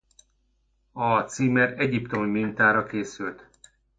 A címer egyiptomi mintára készült.